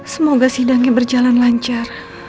semoga sindangnya berjalan lancar